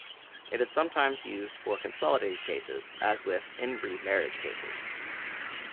It is sometimes used for consolidated cases, as with "In re Marriage Cases".